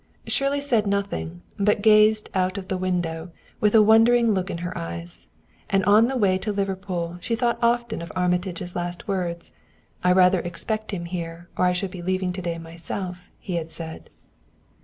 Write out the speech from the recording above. Shirley said nothing, but gazed out of the window with a wondering look in her eyes. And on the way to Liverpool she thought often of Armitage's last words. "I rather expect him here, or I should be leaving to day myself," he had said.